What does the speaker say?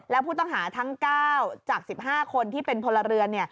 แล้วผู้ต้องหาทั้ง๙จาก๑๕คนที่เป็นพลเรือน